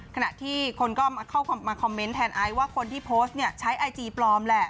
ขณะที่คนก็เข้ามาคอมเมนต์แทนไอซ์ว่าคนที่โพสต์เนี่ยใช้ไอจีปลอมแหละ